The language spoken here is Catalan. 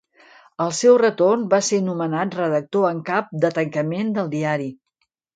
Al seu retorn va ser nomenat redactor en cap de tancament del diari.